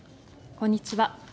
こんにちは。